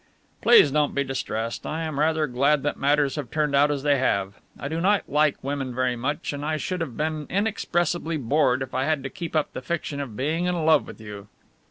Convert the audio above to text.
"Please don't be distressed, I am rather glad that matters have turned out as they have. I do not like women very much, and I should have been inexpressibly bored if I had to keep up the fiction of being in love with you."